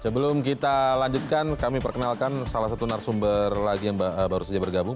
sebelum kita lanjutkan kami perkenalkan salah satu narasumber lagi yang baru saja bergabung